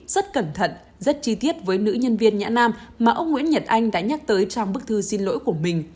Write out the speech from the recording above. rất cẩn thận rất chi tiết với nữ nhân viên nhã nam mà ông nguyễn nhật anh đã nhắc tới trong bức thư xin lỗi của mình